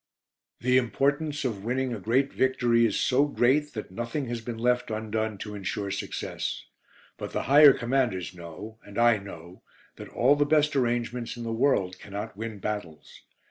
"The importance of winning a great victory is so great that nothing has been left undone to ensure success. But the higher Commanders know and I know that all the best arrangements in the world cannot win battles.